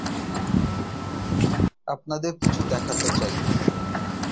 আপনাদের কিছু দেখাতে চাই।